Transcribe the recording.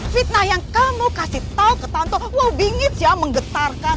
fitnah yang kamu kasih tau ke tante aku dingit ya menggetarkan